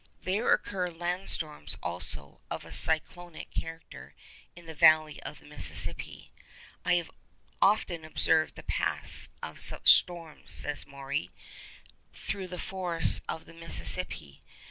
There occur land storms, also, of a cyclonic character in the valley of the Mississippi. 'I have often observed the paths of such storms,' says Maury, 'through the forests of the Mississippi.